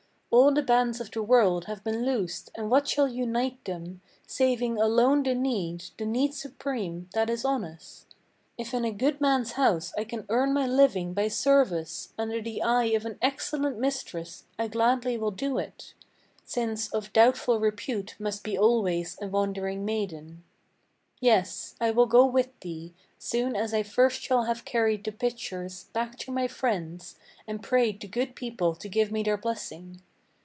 All the bands of the world have been loosed, and what shall unite them, Saving alone the need, the need supreme, that is on us? If in a good man's house I can earn my living by service, Under the eye of an excellent mistress, I gladly will do it; Since of doubtful repute, must be always a wandering maiden. Yes, I will go with thee, soon as I first shall have carried the pitchers Back to my friends, and prayed the good people to give me their blessing.